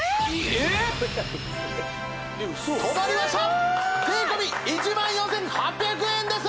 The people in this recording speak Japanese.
えっ嘘止まりましたすごい税込１万４８００円です！